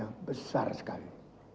dan sangat besar sekali